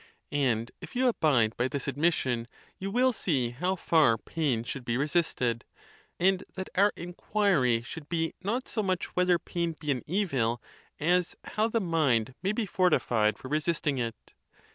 And if you abide by this admis sion, you will see how far pain should be resisted; and that our inquiry should be not so much whether pain be an evil, as how the mind may be fortified for resisting it.